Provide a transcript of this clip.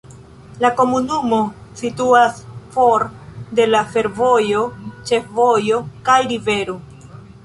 La komunumo situas for de la fervojo, ĉefvojo kaj rivero.